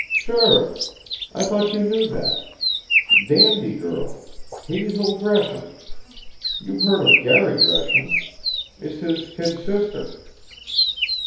"Sure! I thought you knew that. Dandy girl Hazel Gresham. You've heard of Garry Gresham? It's his kid sister."